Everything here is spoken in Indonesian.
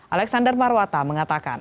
alexander marwata mengatakan